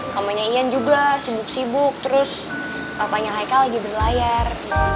namanya ian juga sibuk sibuk terus papanya heike lagi berlayar